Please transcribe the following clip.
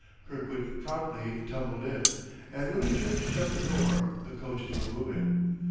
Kirkwood promptly tumbled in; and when he turned to shut the door the coaches were moving.